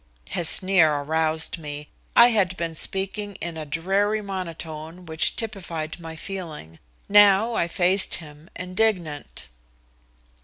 His sneer aroused me. I had been speaking in a dreary monotone which typified my feeling. Now I faced him, indignant.